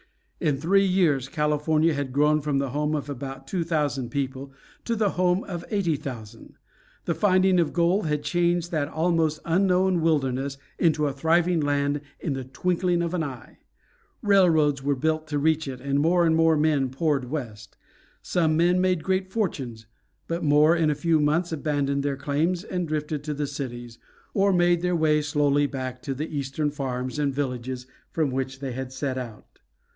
In three years California had grown from the home of about two thousand people to the home of eighty thousand. The finding of gold had changed that almost unknown wilderness into a thriving land in the twinkling of an eye. Railroads were built to reach it, and more and more men poured west. Some men made great fortunes, but more in a few months abandoned their claims and drifted to the cities, or made their way slowly back to the eastern farms and villages from which they had set out.